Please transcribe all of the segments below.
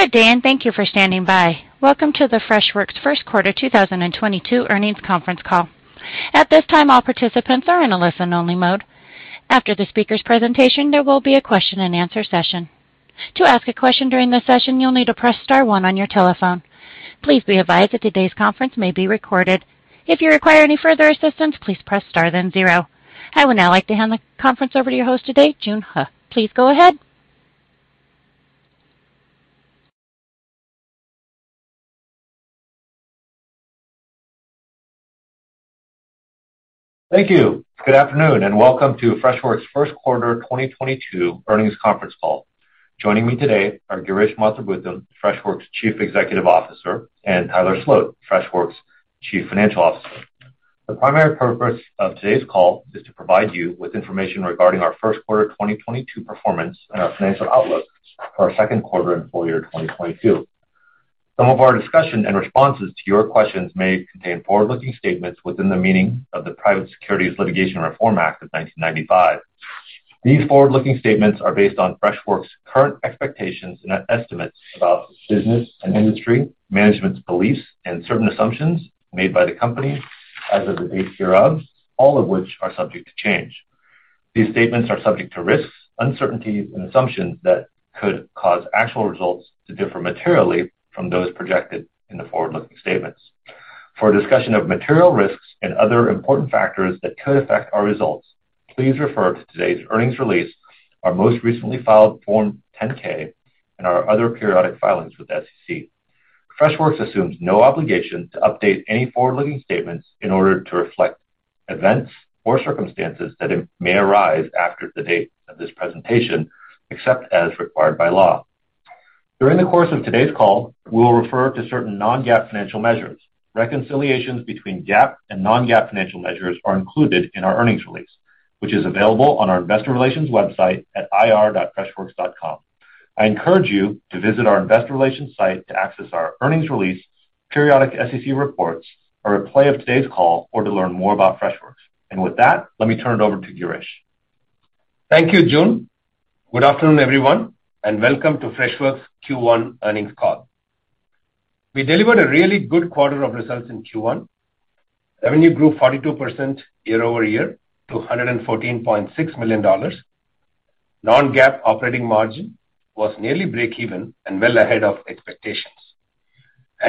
Good day, and thank you for standing by. Welcome to the Freshworks first quarter 2022 earnings conference call. At this time, all participants are in a listen-only mode. After the speaker's presentation, there will be a question and answer session. To ask a question during this session, you'll need to press star one on your telephone. Please be advised that today's conference may be recorded. If you require any further assistance, please press star, then zero. I would now like to hand the conference over to your host today, Joon Huh. Please go ahead. Thank you. Good afternoon, and welcome to Freshworks first quarter 2022 earnings conference call. Joining me today are Girish Mathrubootham, Freshworks Chief Executive Officer, and Tyler Sloat, Freshworks Chief Financial Officer. The primary purpose of today's call is to provide you with information regarding our first quarter 2022 performance and our financial outlook for our second quarter and full year 2022. Some of our discussion and responses to your questions may contain forward-looking statements within the meaning of the Private Securities Litigation Reform Act of 1995. These forward-looking statements are based on Freshworks' current expectations and estimates about business and industry, management's beliefs, and certain assumptions made by the company as of the date hereof, all of which are subject to change. These statements are subject to risks, uncertainties, and assumptions that could cause actual results to differ materially from those projected in the forward-looking statements. For a discussion of material risks and other important factors that could affect our results, please refer to today's earnings release, our most recently filed Form 10-K, and our other periodic filings with the SEC. Freshworks assumes no obligation to update any forward-looking statements in order to reflect events or circumstances that may arise after the date of this presentation, except as required by law. During the course of today's call, we will refer to certain non-GAAP financial measures. Reconciliations between GAAP and non-GAAP financial measures are included in our earnings release, which is available on our investor relations website at ir.freshworks.com. I encourage you to visit our investor relations site to access our earnings release, periodic SEC reports, a replay of today's call or to learn more about Freshworks. With that, let me turn it over to Girish. Thank you, Joon. Good afternoon, everyone, and welcome to Freshworks Q1 earnings call. We delivered a really good quarter of results in Q1. Revenue grew 42% year-over-year to $114.6 million. Non-GAAP operating margin was nearly break even and well ahead of expectations.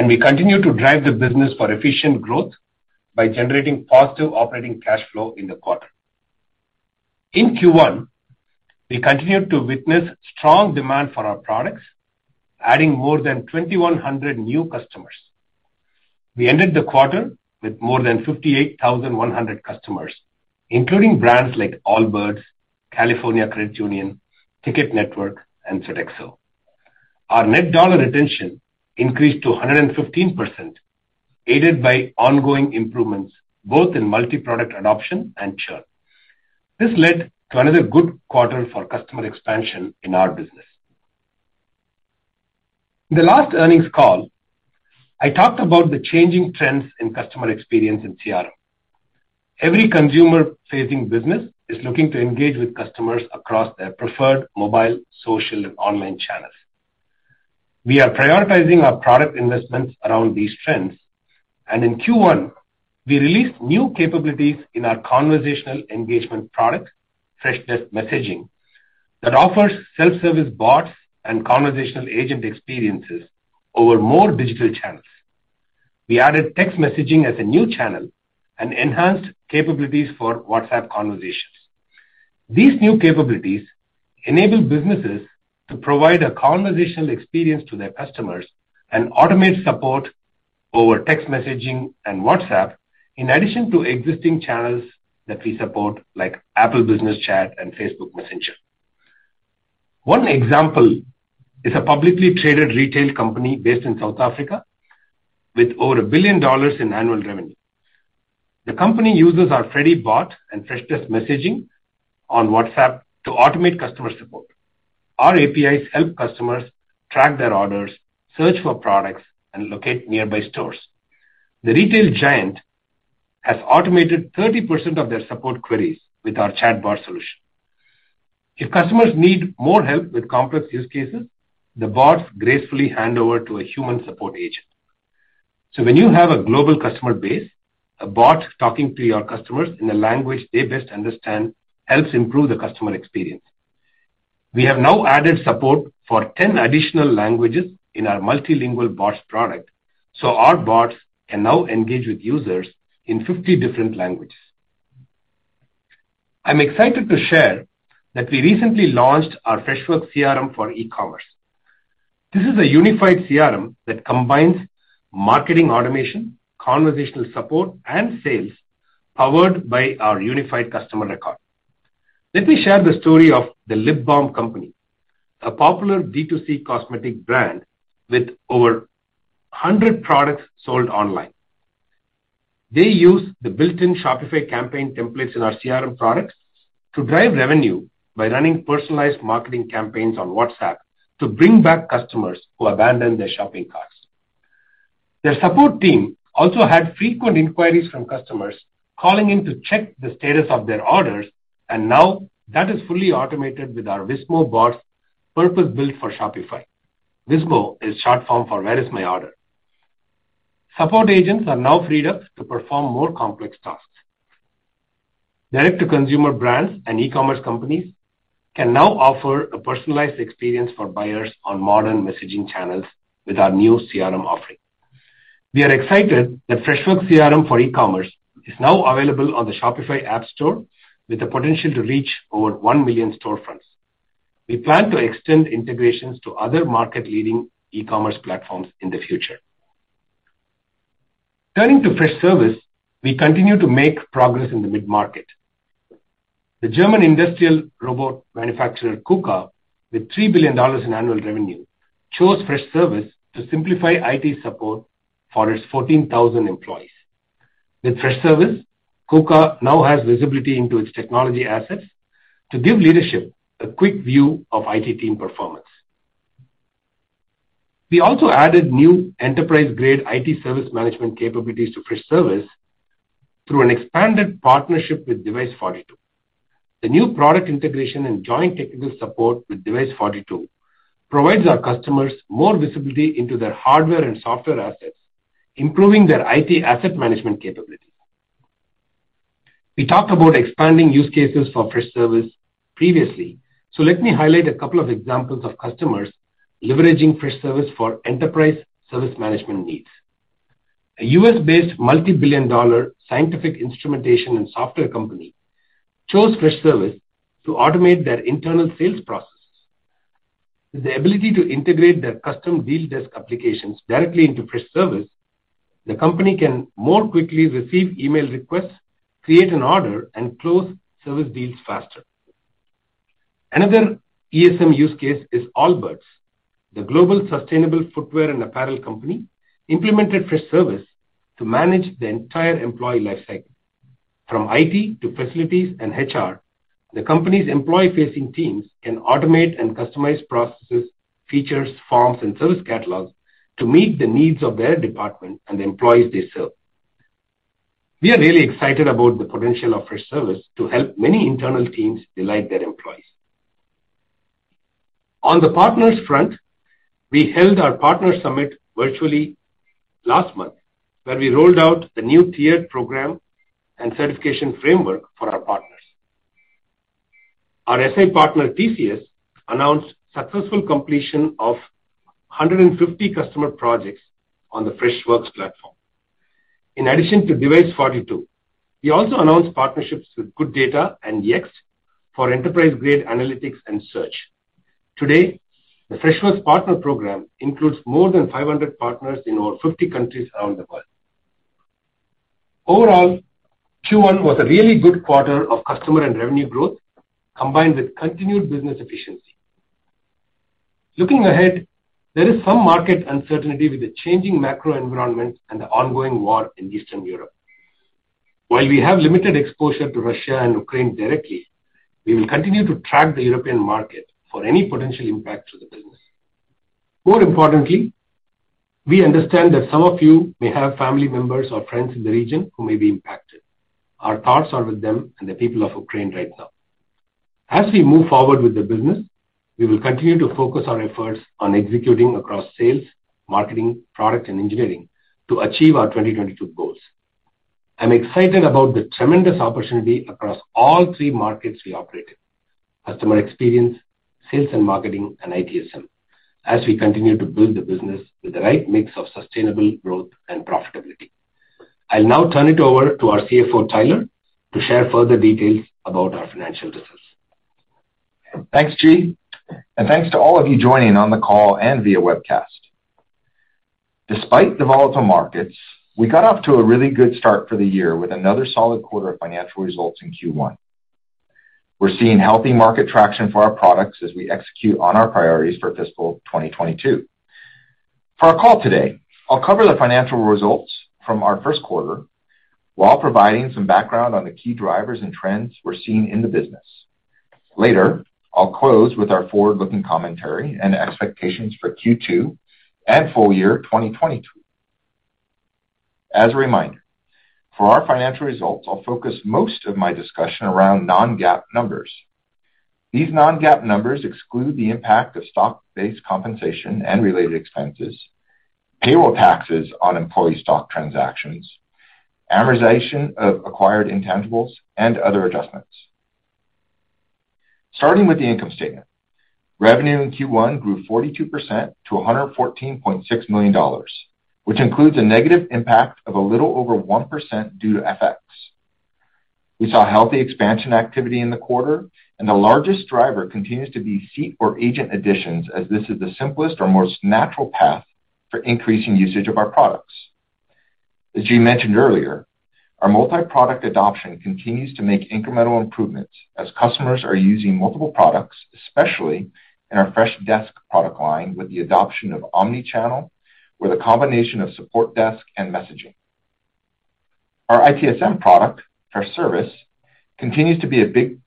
We continue to drive the business for efficient growth by generating positive operating cash flow in the quarter. In Q1, we continued to witness strong demand for our products, adding more than 2,100 new customers. We ended the quarter with more than 58,100 customers, including brands like Allbirds, California Credit Union, TicketNetwork, and FedEx. Our net dollar retention increased to 115%, aided by ongoing improvements both in multi-product adoption and churn. This led to another good quarter for customer expansion in our business. In the last earnings call, I talked about the changing trends in customer experience in CRM. Every consumer-facing business is looking to engage with customers across their preferred mobile, social, and online channels. We are prioritizing our product investments around these trends, and in Q1, we released new capabilities in our conversational engagement product, Freshdesk Messaging, that offers self-service bots and conversational agent experiences over more digital channels. We added text messaging as a new channel and enhanced capabilities for WhatsApp conversations. These new capabilities enable businesses to provide a conversational experience to their customers and automate support over text messaging and WhatsApp in addition to existing channels that we support like Apple Business Chat and Facebook Messenger. One example is a publicly traded retail company based in South Africa with over $1 billion in annual revenue. The company uses our Freddy bot and Freshdesk Messaging on WhatsApp to automate customer support. Our APIs help customers track their orders, search for products, and locate nearby stores. The retail giant has automated 30% of their support queries with our chatbot solution. If customers need more help with complex use cases, the bots gracefully hand over to a human support agent. When you have a global customer base, a bot talking to your customers in a language they best understand helps improve the customer experience. We have now added support for 10 additional languages in our multilingual bots product, so our bots can now engage with users in 50 different languages. I'm excited to share that we recently launched our Freshworks CRM for e-commerce. This is a unified CRM that combines marketing automation, conversational support, and sales powered by our Unified Customer Record. Let me share the story of The Lip Bar company, a popular D2C cosmetic brand with over 100 products sold online. They use the built-in Shopify campaign templates in our CRM products to drive revenue by running personalized marketing campaigns on WhatsApp to bring back customers who abandon their shopping carts. Their support team also had frequent inquiries from customers calling in to check the status of their orders, and now that is fully automated with our WISMO bot purpose-built for Shopify. WISMO is short form for Where Is My Order. Support agents are now freed up to perform more complex tasks. Direct-to-consumer brands and e-commerce companies can now offer a personalized experience for buyers on modern messaging channels with our new CRM offering. We are excited that Freshworks CRM for e-commerce is now available on the Shopify App Store with the potential to reach over 1 million storefronts. We plan to extend integrations to other market leading e-commerce platforms in the future. Turning to Freshservice, we continue to make progress in the mid-market. The German industrial robot manufacturer KUKA, with $3 billion in annual revenue, chose Freshservice to simplify IT support for its 14,000 employees. With Freshservice, KUKA now has visibility into its technology assets to give leadership a quick view of IT team performance. We also added new enterprise-grade IT service management capabilities to Freshservice through an expanded partnership with Device42. The new product integration and joint technical support with Device42 provides our customers more visibility into their hardware and software assets, improving their IT asset management capability. We talked about expanding use cases for Freshservice previously, so let me highlight a couple of examples of customers leveraging Freshservice for enterprise service management needs. A U.S. based multi-billion-dollar scientific instrumentation and software company chose Freshservice to automate their internal sales processes. With the ability to integrate their custom deal desk applications directly into Freshservice, the company can more quickly receive email requests, create an order, and close service deals faster. Another ESM use case is Allbirds. The global sustainable footwear and apparel company implemented Freshservice to manage the entire employee lifecycle. From IT to facilities and HR, the company's employee-facing teams can automate and customize processes, features, forms, and service catalogs to meet the needs of their department and the employees they serve. We are really excited about the potential of Freshservice to help many internal teams delight their employees. On the partners front, we held our partner summit virtually last month, where we rolled out the new tiered program and certification framework for our partners. Our SI partner, TCS, announced successful completion of 150 customer projects on the Freshworks platform. In addition to Device42, we also announced partnerships with GoodData and Yext for enterprise-grade analytics and search. Today, the Freshworks partner program includes more than 500 partners in over 50 countries around the world. Overall, Q1 was a really good quarter of customer and revenue growth, combined with continued business efficiency. Looking ahead, there is some market uncertainty with the changing macro environment and the ongoing war in Eastern Europe. While we have limited exposure to Russia and Ukraine directly, we will continue to track the European market for any potential impact to the business. More importantly, we understand that some of you may have family members or friends in the region who may be impacted. Our thoughts are with them and the people of Ukraine right now. As we move forward with the business, we will continue to focus our efforts on executing across sales, marketing, product, and engineering to achieve our 2022 goals. I'm excited about the tremendous opportunity across all three markets we operate in, customer experience, sales and marketing, and ITSM, as we continue to build the business with the right mix of sustainable growth and profitability. I'll now turn it over to our CFO, Tyler, to share further details about our financial results. Thanks, G. Thanks to all of you joining on the call and via webcast. Despite the volatile markets, we got off to a really good start for the year with another solid quarter of financial results in Q1. We're seeing healthy market traction for our products as we execute on our priorities for fiscal 2022. For our call today, I'll cover the financial results from our first quarter while providing some background on the key drivers and trends we're seeing in the business. Later, I'll close with our forward-looking commentary and expectations for Q2 and full year 2022. As a reminder, for our financial results, I'll focus most of my discussion around non-GAAP numbers. These non-GAAP numbers exclude the impact of stock-based compensation and related expenses, payroll taxes on employee stock transactions, amortization of acquired intangibles, and other adjustments. Starting with the income statement, revenue in Q1 grew 42% to $114.6 million, which includes a negative impact of a little over 1% due to FX. We saw healthy expansion activity in the quarter, and the largest driver continues to be seat or agent additions, as this is the simplest or most natural path for increasing usage of our products. As G mentioned earlier, our multi-product adoption continues to make incremental improvements as customers are using multiple products, especially in our Freshdesk product line with the adoption of omnichannel, with a combination of support desk and messaging. Our ITSM product or service continues to be a big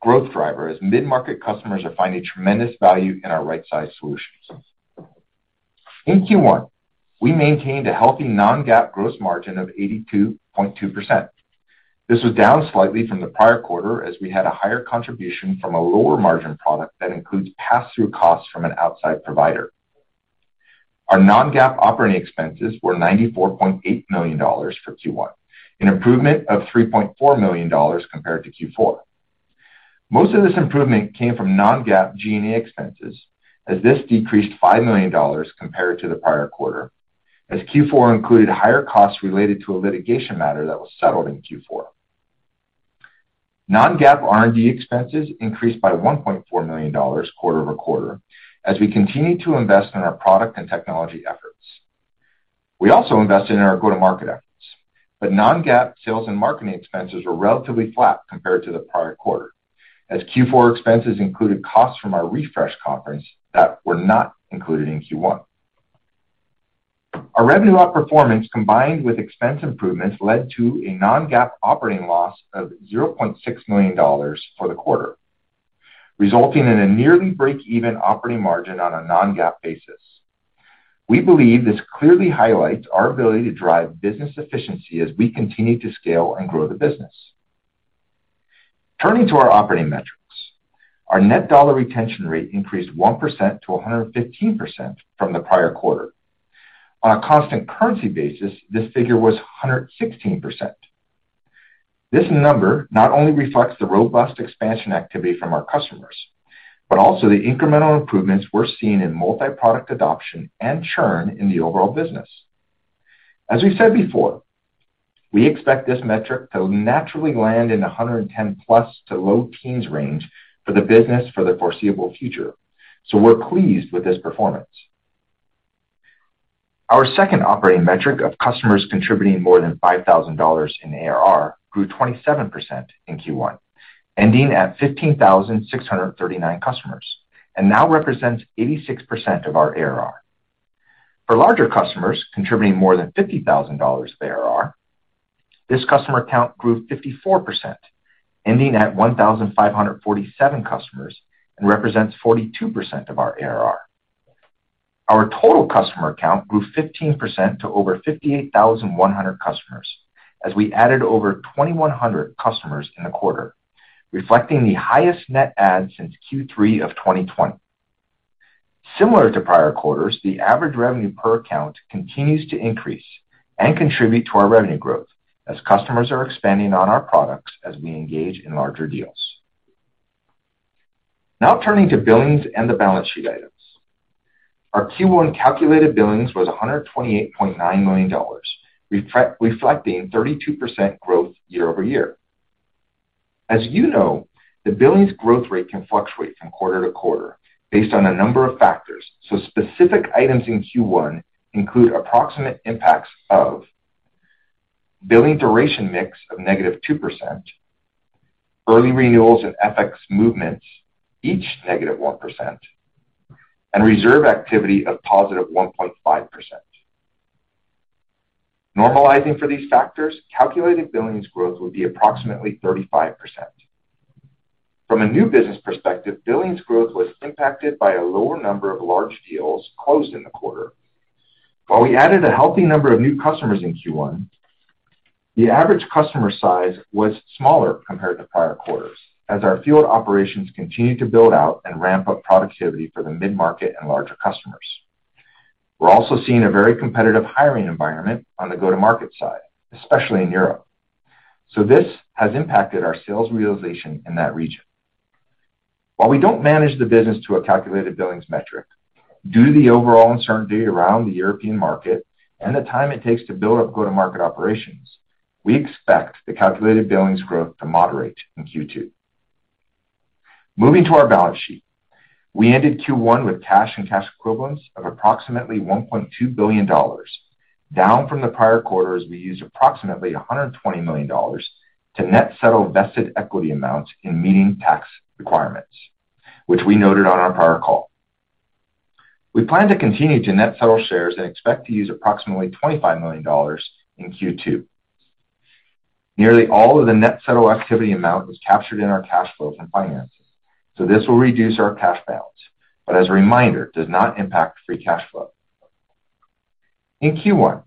growth driver as mid-market customers are finding tremendous value in our right-size solutions. In Q1, we maintained a healthy non-GAAP gross margin of 82.2%. This was down slightly from the prior quarter as we had a higher contribution from a lower margin product that includes passthrough costs from an outside provider. Our non-GAAP operating expenses were $94.8 million for Q1, an improvement of $3.4 million compared to Q4. Most of this improvement came from non-GAAP G&A expenses, as this decreased $5 million compared to the prior quarter, as Q4 included higher costs related to a litigation matter that was settled in Q4. Non-GAAP R&D expenses increased by $1.4 million quarter-over-quarter as we continued to invest in our product and technology efforts. We also invested in our go-to-market efforts, but non-GAAP sales and marketing expenses were relatively flat compared to the prior quarter, as Q4 expenses included costs from our Refresh conference that were not included in Q1. Our revenue operating performance, combined with expense improvements, led to a non-GAAP operating loss of $0.6 million for the quarter, resulting in a nearly break-even operating margin on a non-GAAP basis. We believe this clearly highlights our ability to drive business efficiency as we continue to scale and grow the business. Turning to our operating metrics. Our net dollar retention rate increased 1% to 115% from the prior quarter. On a constant currency basis, this figure was 116%. This number not only reflects the robust expansion activity from our customers, but also the incremental improvements we're seeing in multi-product adoption and churn in the overall business. We expect this metric to naturally land in the 110+ to low teens range for the business for the foreseeable future. We're pleased with this performance. Our second operating metric of customers contributing more than $5,000 in ARR grew 27% in Q1, ending at 15,639 customers, and now represents 86% of our ARR. For larger customers contributing more than $50,000 of ARR, this customer count grew 54%, ending at 1,547 customers and represents 42% of our ARR. Our total customer count grew 15% to over 58,100 customers as we added over 2,100 customers in the quarter, reflecting the highest net add since Q3 of 2020. Similar to prior quarters, the average revenue per account continues to increase and contribute to our revenue growth as customers are expanding on our products as we engage in larger deals. Now turning to billings and the balance sheet items. Our Q1 calculated billings was $128.9 million, reflecting 32% growth year-over-year. As you know, the billings growth rate can fluctuate from quarter to quarter based on a number of factors. Specific items in Q1 include approximate impacts of billing duration mix of -2%, early renewals and FX movements each -1%, and reserve activity of +1.5%. Normalizing for these factors, calculated billings growth would be approximately 35%. From a new business perspective, billings growth was impacted by a lower number of large deals closed in the quarter. While we added a healthy number of new customers in Q1, the average customer size was smaller compared to prior quarters, as our field operations continued to build out and ramp up productivity for the mid-market and larger customers. We're also seeing a very competitive hiring environment on the go-to-market side, especially in Europe. This has impacted our sales realization in that region. While we don't manage the business to a calculated billings metric, due to the overall uncertainty around the European market and the time it takes to build up go-to-market operations, we expect the calculated billings growth to moderate in Q2. Moving to our balance sheet. We ended Q1 with cash and cash equivalents of approximately $1.2 billion, down from the prior quarter as we used approximately $120 million to net settle vested equity amounts in meeting tax requirements, which we noted on our prior call. We plan to continue to net settle shares and expect to use approximately $25 million in Q2. Nearly all of the net settle activity amount was captured in our cash flows and finances, so this will reduce our cash balance, but as a reminder, does not impact free cash flow. In Q1,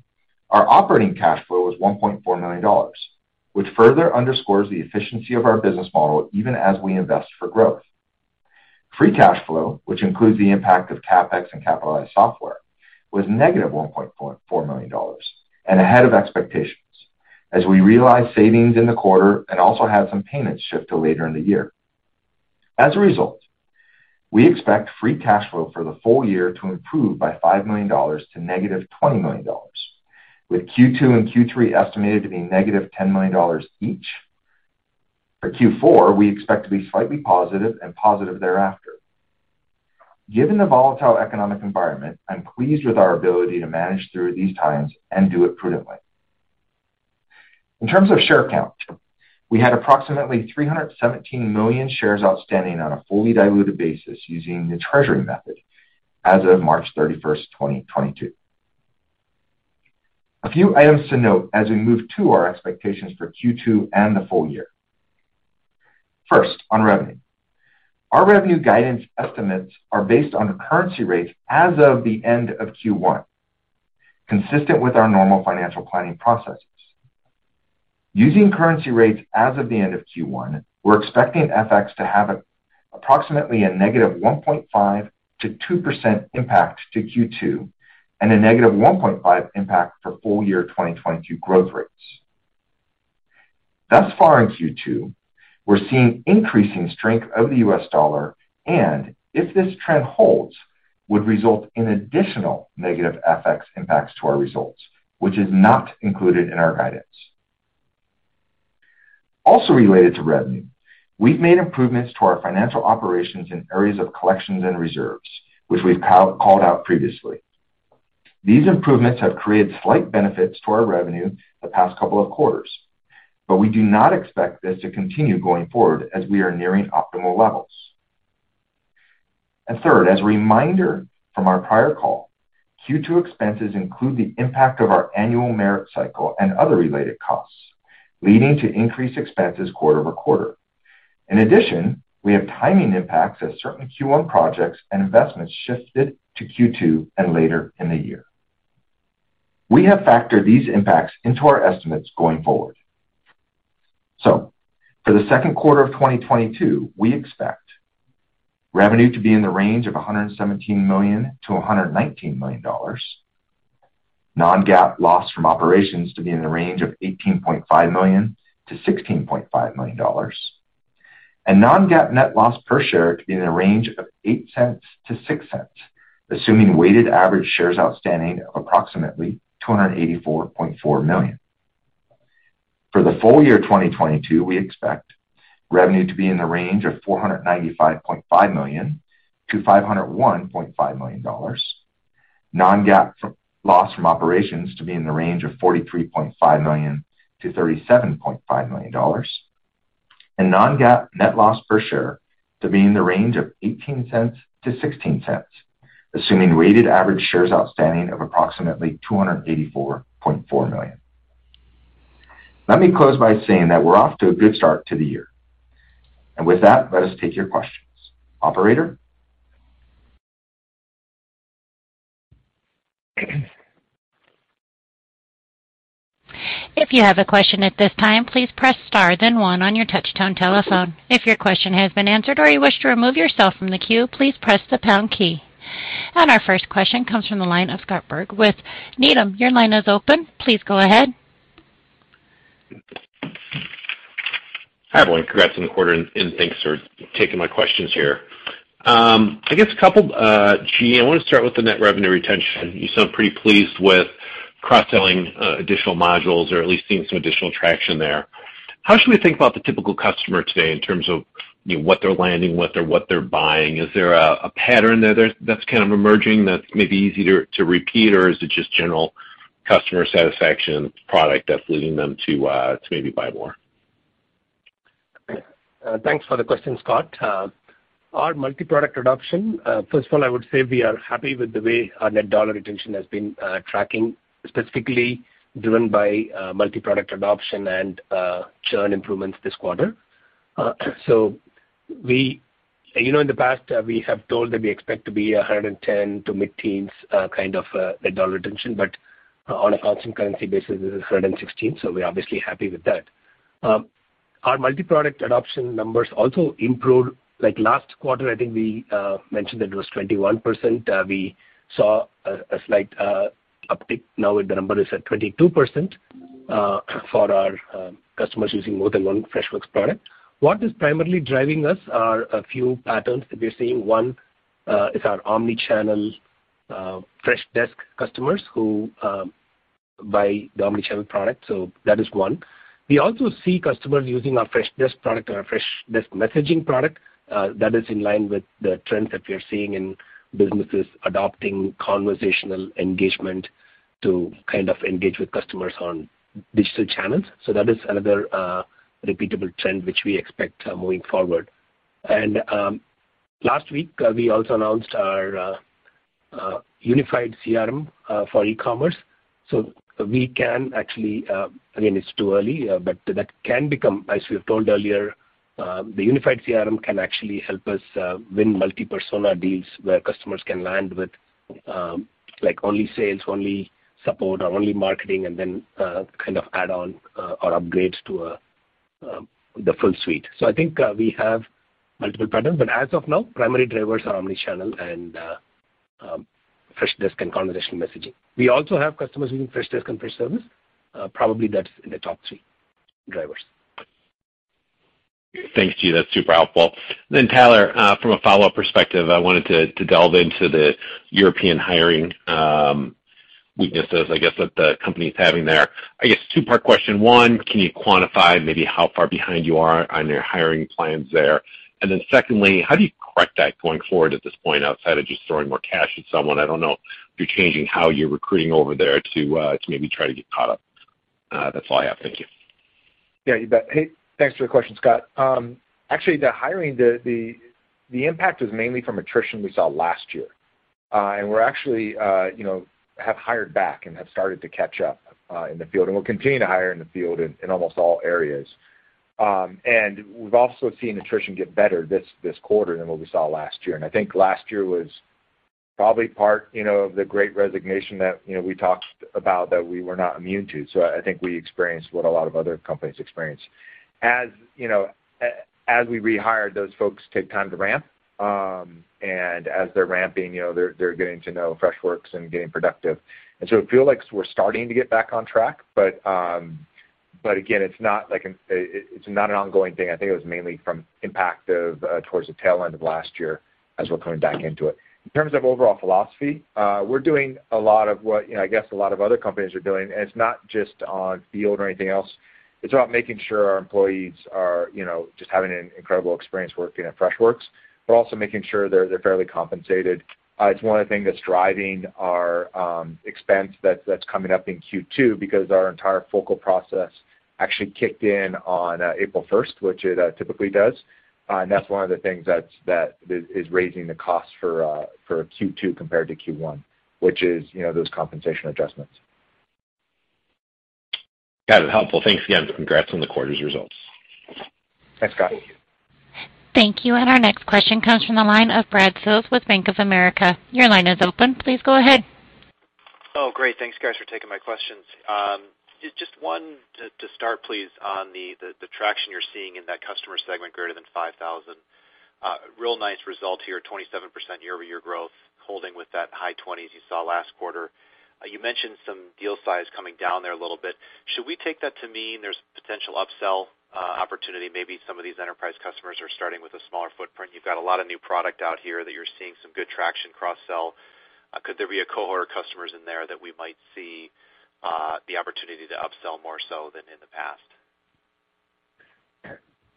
our operating cash flow was $1.4 million, which further underscores the efficiency of our business model even as we invest for growth. Free cash flow, which includes the impact of CapEx and capitalized software, was -$1.44 million and ahead of expectations as we realized savings in the quarter and also had some payments shift to later in the year. As a result, we expect free cash flow for the full year to improve by $5 million to -$20 million, with Q2 and Q3 estimated to be -$10 million each. For Q4, we expect to be slightly positive and positive thereafter. Given the volatile economic environment, I'm pleased with our ability to manage through these times and do it prudently. In terms of share count. We had approximately 317 million shares outstanding on a fully diluted basis using the treasury method as of March 31, 2022. A few items to note as we move to our expectations for Q2 and the full year. First, on revenue. Our revenue guidance estimates are based on currency rates as of the end of Q1, consistent with our normal financial planning processes. Using currency rates as of the end of Q1, we're expecting FX to have approximately a -1.5% to 2% impact to Q2 and a -1.5% impact for full year 2022 growth rates. Thus far in Q2, we're seeing increasing strength of the U.S. dollar and if this trend holds, would result in additional negative FX impacts to our results, which is not included in our guidance. Also related to revenue, we've made improvements to our financial operations in areas of collections and reserves, which we've called out previously. These improvements have created slight benefits to our revenue the past couple of quarters, but we do not expect this to continue going forward as we are nearing optimal levels. Third, as a reminder from our prior call, Q2 expenses include the impact of our annual merit cycle and other related costs, leading to increased expenses quarter over quarter. In addition, we have timing impacts as certain Q1 projects and investments shifted to Q2 and later in the year. We have factored these impacts into our estimates going forward. For the second quarter of 2022, we expect revenue to be in the range of $117 million-$119 million, non-GAAP loss from operations to be in the range of $18.5 million-$16.5 million, and non-GAAP net loss per share to be in a range of $0.08-$0.06, assuming weighted average shares outstanding of approximately 284.4 million. For the full year 2022, we expect revenue to be in the range of $495.5 million-$501.5 million, non-GAAP loss from operations to be in the range of $43.5 million-$37.5 million, and non-GAAP net loss per share to be in the range of $0.18-$0.16, assuming weighted average shares outstanding of approximately 284.4 million. Let me close by saying that we're off to a good start to the year. With that, let us take your questions. Operator? If you have a question at this time, please press star then one on your touch tone telephone. If your question has been answered or you wish to remove yourself from the queue, please press the pound key. Our first question comes from the line of Scott Berg with Needham. Your line is open. Please go ahead. Hi, everyone. Congrats on the quarter, and thanks for taking my questions here. I guess a couple, Girish, I want to start with the net revenue retention. You sound pretty pleased with cross-selling additional modules or at least seeing some additional traction there. How should we think about the typical customer today in terms of, you know, what they're landing, what they're buying? Is there a pattern there that's kind of emerging that's maybe easy to repeat, or is it just general customer satisfaction product that's leading them to maybe buy more? Thanks for the question, Scott. Our multi-product adoption, first of all, I would say we are happy with the way our net dollar retention has been tracking, specifically driven by multi-product adoption and churn improvements this quarter. You know, in the past, we have told that we expect to be 110 to mid-teens kind of net dollar retention, but on a constant currency basis, this is 116%, so we're obviously happy with that. Our multi-product adoption numbers also improved. Like, last quarter, I think we mentioned that it was 21%. We saw a slight uptick. Now the number is at 22% for our customers using more than one Freshworks product. What is primarily driving us are a few patterns that we're seeing. One is our omnichannel Freshdesk customers who buy the omnichannel product, so that is one. We also see customers using our Freshdesk product and our Freshdesk Messaging product, that is in line with the trend that we are seeing in businesses adopting conversational engagement to kind of engage with customers on digital channels. That is another repeatable trend which we expect moving forward. Last week we also announced our unified CRM for e-commerce. We can actually. Again, it's too early, but that can become, as we have told earlier, the unified CRM can actually help us win multi-persona deals where customers can land with, like, only sales, only support, or only marketing, and then kind of add on or upgrades to the full suite. I think we have multiple patterns, but as of now, primary drivers are omnichannel and Freshdesk and conversational messaging. We also have customers using Freshdesk and Freshservice. Probably that's in the top three drivers. Thank you. That's super helpful. Tyler, from a follow-up perspective, I wanted to delve into the European hiring weaknesses, I guess, that the company's having there. I guess two-part question. One, can you quantify maybe how far behind you are on your hiring plans there? And then secondly, how do you going forward at this point outside of just throwing more cash at someone. I don't know if you're changing how you're recruiting over there to maybe try to get caught up. That's all I have. Thank you. Yeah, you bet. Hey, thanks for the question, Scott. Actually, the hiring, the impact is mainly from attrition we saw last year. We're actually have hired back and have started to catch up in the field, and we'll continue to hire in the field in almost all areas. We've also seen attrition get better this quarter than what we saw last year. I think last year was probably part of the Great Resignation that we talked about that we were not immune to. I think we experienced what a lot of other companies experienced. As you know, as we rehired, those folks take time to ramp, and as they're ramping, you know, they're getting to know Freshworks and getting productive. It feels like we're starting to get back on track, but again, it's not an ongoing thing. I think it was mainly from impact of towards the tail end of last year as we're coming back into it. In terms of overall philosophy, we're doing a lot of what, you know, I guess a lot of other companies are doing, and it's not just on field or anything else. It's about making sure our employees are, you know, just having an incredible experience working at Freshworks. We're also making sure they're fairly compensated. It's one of the thing that's driving our expense that's coming up in Q2 because our entire fiscal process actually kicked in on April first, which typically does. That's one of the things that is raising the cost for Q2 compared to Q1, which is, you know, those compensation adjustments. Got it. Helpful. Thanks again. Congrats on the quarter's results. Thanks, Scott. Thank you. Our next question comes from the line of Brad Sills with Bank of America. Your line is open. Please go ahead. Oh, great. Thanks, guys, for taking my questions. Just one to start, please, on the traction you're seeing in that customer segment greater than 5,000. Real nice result here, 27% year-over-year growth, holding with that high twenties you saw last quarter. You mentioned some deal size coming down there a little bit. Should we take that to mean there's potential upsell opportunity? Maybe some of these enterprise customers are starting with a smaller footprint. You've got a lot of new product out here that you're seeing some good traction cross-sell. Could there be a cohort of customers in there that we might see the opportunity to upsell more so than in the past?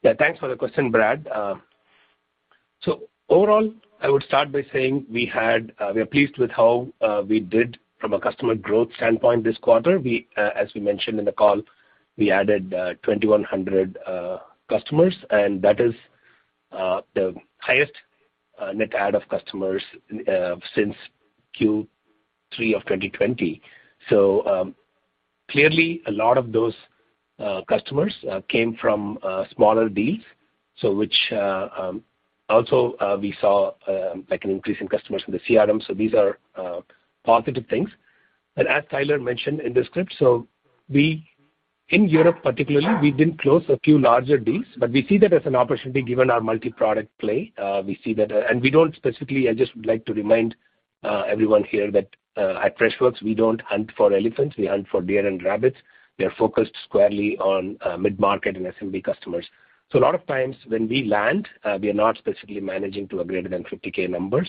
Yeah. Thanks for the question, Brad. Overall, I would start by saying we are pleased with how we did from a customer growth standpoint this quarter. As we mentioned in the call, we added 2,100 customers, and that is the highest net add of customers since Q3 of 2020. Clearly a lot of those customers came from smaller deals, which also we saw like an increase in customers from the CRM, so these are positive things. As Tyler mentioned in the script, in Europe particularly, we did close a few larger deals, but we see that as an opportunity given our multi-product play. We see that. We don't specifically. I just would like to remind everyone here that at Freshworks, we don't hunt for elephants. We hunt for deer and rabbits. We are focused squarely on mid-market and SMB customers. A lot of times when we land, we are not specifically managing to a greater than 50K number.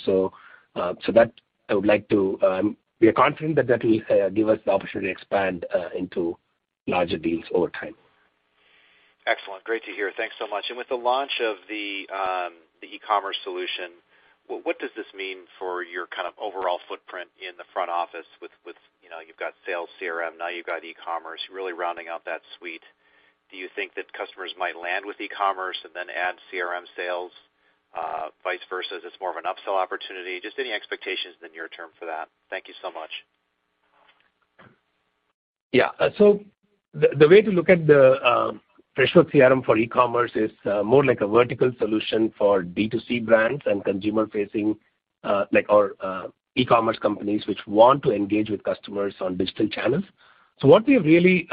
We are confident that that will give us the opportunity to expand into larger deals over time. Excellent. Great to hear. Thanks so much. With the launch of the e-commerce solution, what does this mean for your kind of overall footprint in the front office with, you know, you've got sales CRM, now you've got e-commerce, you're really rounding out that suite. Do you think that customers might land with e-commerce and then add CRM sales? Vice versa, it's more of an upsell opportunity. Just any expectations in the near term for that. Thank you so much. The way to look at the Freshworks CRM for e-commerce is more like a vertical solution for D2C brands and consumer-facing, like, or, e-commerce companies which want to engage with customers on digital channels. What we have really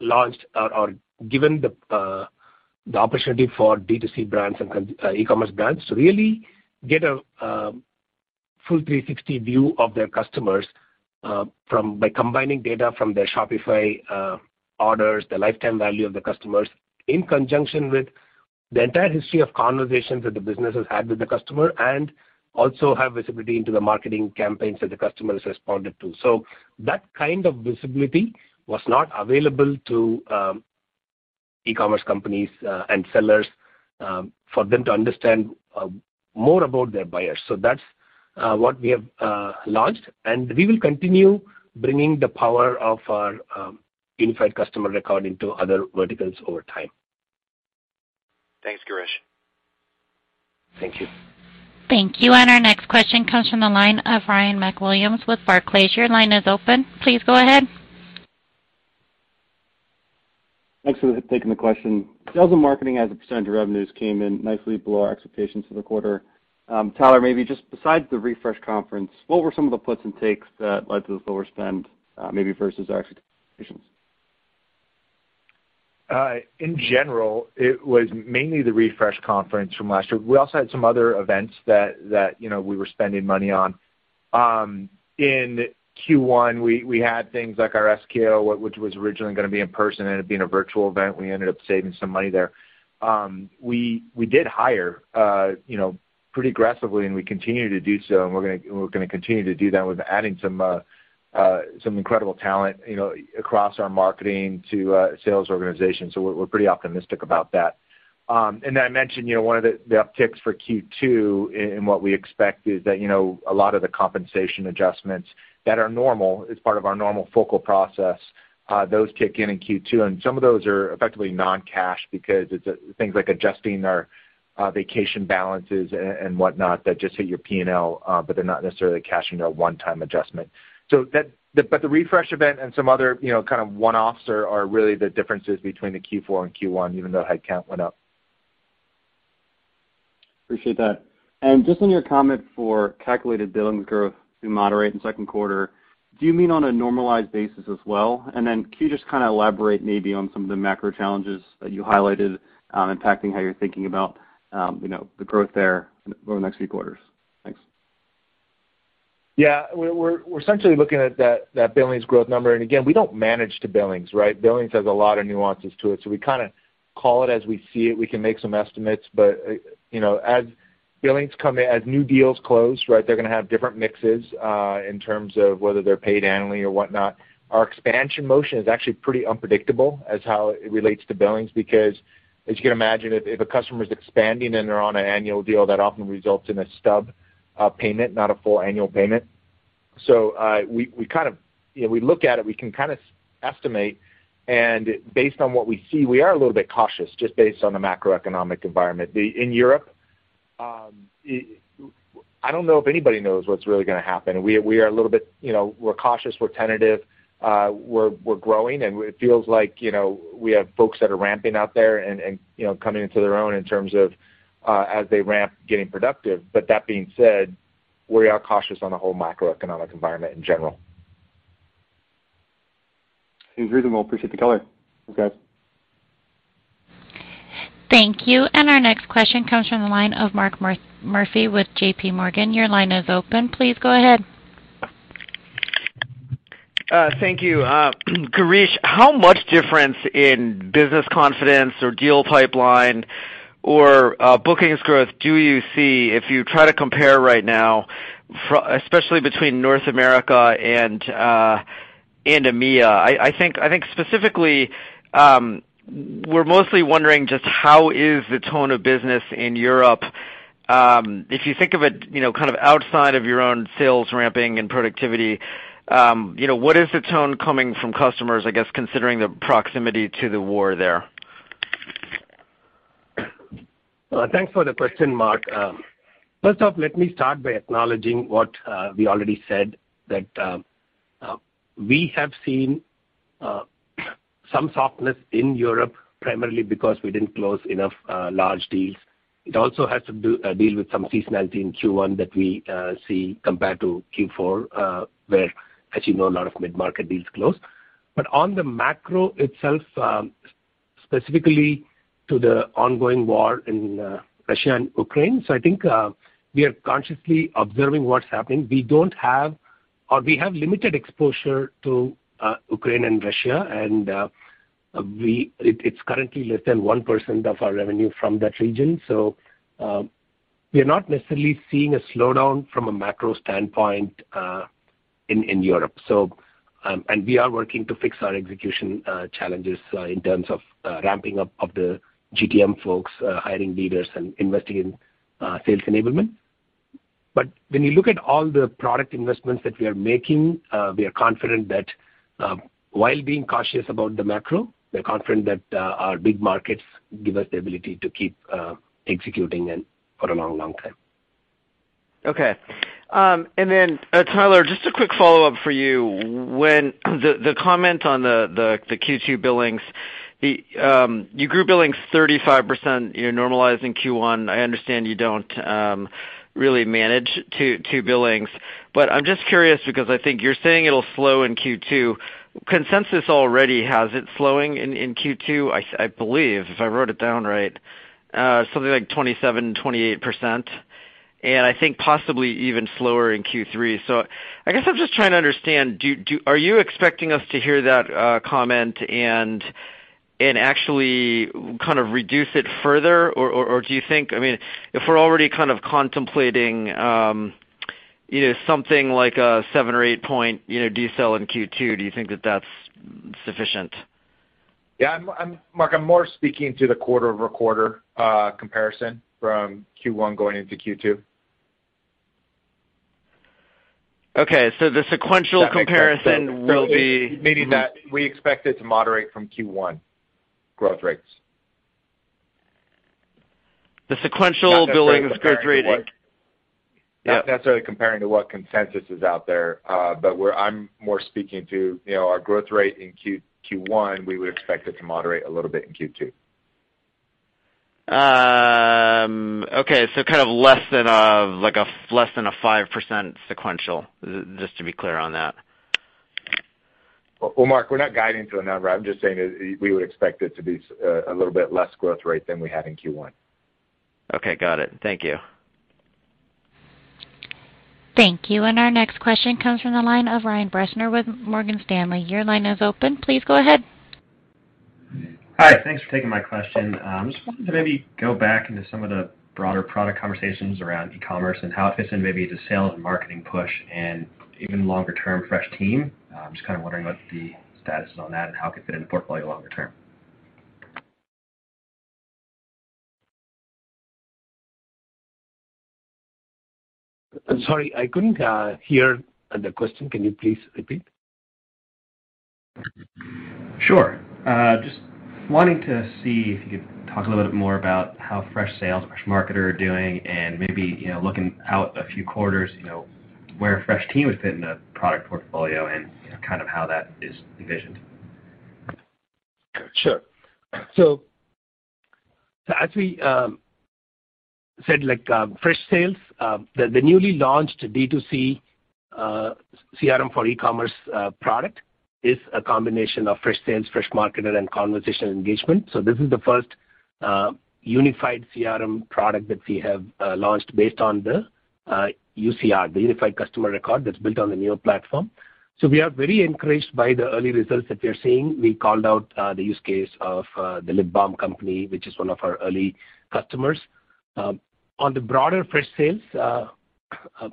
launched or given the opportunity for D2C brands and e-commerce brands to really get a full 360 view of their customers by combining data from their Shopify orders, the lifetime value of the customers, in conjunction with the entire history of conversations that the business has had with the customer and also have visibility into the marketing campaigns that the customer has responded to. That kind of visibility was not available to e-commerce companies and sellers for them to understand more about their buyers. That's what we have launched, and we will continue bringing the power of our Unified Customer Record to other verticals over time. Thanks, Girish. Thank you. Thank you. Our next question comes from the line of Ryan MacWilliams with Barclays. Your line is open. Please go ahead. Thanks for taking the question. Sales and marketing as a percent of revenues came in nicely below our expectations for the quarter. Tyler, maybe just besides the Refresh conference, what were some of the puts and takes that led to the lower spend, maybe versus our expectations? In general, it was mainly the Refresh conference from last year. We also had some other events that, you know, we were spending money on. In Q1, we had things like our SKO, which was originally gonna be in person, ended up being a virtual event. We ended up saving some money there. We did hire, you know, pretty aggressively, and we continue to do so, and we're gonna continue to do that. We've been adding some incredible talent, you know, across our marketing to sales organization. We're pretty optimistic about that. I mentioned, you know, one of the upticks for Q2 in what we expect is that, you know, a lot of the compensation adjustments that are normal as part of our normal focal process, those kick in in Q2, and some of those are effectively non-cash because it's things like adjusting our vacation balances and whatnot that just hit your P&L, but they're not necessarily a cash one-time adjustment. The Refresh event and some other, you know, kind of one-offs are really the differences between the Q4 and Q1, even though headcount went up. Appreciate that. Just in your comment for calculated billings growth to moderate in second quarter, do you mean on a normalized basis as well? Then can you just kinda elaborate maybe on some of the macro challenges that you highlighted, impacting how you're thinking about, you know, the growth there over the next few quarters? Thanks. Yeah. We're essentially looking at that billings growth number. Again, we don't manage to billings, right? Billings has a lot of nuances to it, so we kinda call it as we see it. We can make some estimates, but you know, as billings come in, as new deals close, right, they're gonna have different mixes in terms of whether they're paid annually or whatnot. Our expansion motion is actually pretty unpredictable as how it relates to billings because as you can imagine, if a customer's expanding and they're on an annual deal, that often results in a stub payment, not a full annual payment. We kind of. You know, we look at it, we can kind of estimate, and based on what we see, we are a little bit cautious just based on the macroeconomic environment. In Europe, I don't know if anybody knows what's really gonna happen. We are a little bit, you know, we're cautious, we're tentative, we're growing, and it feels like, you know, we have folks that are ramping out there and, you know, coming into their own in terms of, as they ramp, getting productive. That being said, we are cautious on the whole macroeconomic environment in general. Seems reasonable. Appreciate the color. Thanks, guys. Thank you. Our next question comes from the line of Mark Murphy with JPMorgan. Your line is open. Please go ahead. Thank you. Girish, how much difference in business confidence or deal pipeline or bookings growth do you see if you try to compare right now especially between North America and EMEA? I think specifically, we're mostly wondering just how is the tone of business in Europe, if you think of it, you know, kind of outside of your own sales ramping and productivity, you know, what is the tone coming from customers, I guess, considering the proximity to the war there? Thanks for the question, Mark. First off, let me start by acknowledging what we already said that we have seen some softness in Europe primarily because we didn't close enough large deals. It also has to do with some seasonality in Q1 that we see compared to Q4, where as you know, a lot of mid-market deals close. On the macro itself, specifically to the ongoing war in Russia and Ukraine, so I think we are consciously observing what's happening. We have limited exposure to Ukraine and Russia and it's currently less than 1% of our revenue from that region. We are not necessarily seeing a slowdown from a macro standpoint in Europe. We are working to fix our execution challenges in terms of ramping up of the GTM folks, hiring leaders and investing in sales enablement. When you look at all the product investments that we are making, we are confident that, while being cautious about the macro, we're confident that our big markets give us the ability to keep executing and for a long, long time. Okay. Tyler, just a quick follow-up for you. The comment on the Q2 billings, you grew billings 35%, you know, normalized in Q1. I understand you don't really manage to billings, but I'm just curious because I think you're saying it'll slow in Q2. Consensus already has it slowing in Q2, I believe, if I wrote it down right, something like 27%-28%, and I think possibly even slower in Q3. I guess I'm just trying to understand, are you expecting us to hear that comment and actually kind of reduce it further? Or do you think? I mean, if we're already kind of contemplating, you know, something like a 7 or 8 point, you know, decel in Q2, do you think that that's sufficient? Yeah. Mark, I'm more speaking to the quarter-over-quarter comparison from Q1 going into Q2. Okay. The sequential comparison will be. Meaning that we expect it to moderate from Q1 growth rates. The sequential billings growth rate. Not necessarily comparing to what? Yeah. Not necessarily comparing to what consensus is out there. I'm more speaking to, you know, our growth rate in Q1. We would expect it to moderate a little bit in Q2. Kind of less than a, like, 5% sequential, just to be clear on that. Well, Mark, we're not guiding to a number. I'm just saying is we would expect it to be a little bit less growth rate than we had in Q1. Okay, got it. Thank you. Thank you. Our next question comes from the line of Ryan Bressner with Morgan Stanley. Your line is open. Please go ahead. Hi. Thanks for taking my question. Just wanted to maybe go back into some of the broader product conversations around e-commerce and how it fits in maybe the sales and marketing push and even longer-term Freshteam. I'm just kinda wondering what the status is on that and how it could fit in the portfolio longer term? Sorry, I couldn't hear the question. Can you please repeat? Sure. Just wanting to see if you could talk a little bit more about how Freshsales, Freshmarketer are doing, and maybe, you know, looking out a few quarters, you know, where Freshteam has been in the product portfolio and, you know, kind of how that is envisioned. Sure. As we said, like, Freshsales, the newly launched B2C CRM for e-commerce product is a combination of Freshsales, Freshmarketer, and conversational engagement. This is the first unified CRM product that we have launched based on the UCR, the Unified Customer Record, that's built on the Neo platform. We are very encouraged by the early results that we are seeing. We called out the use case of The Lip Bar, which is one of our early customers. On the broader Freshsales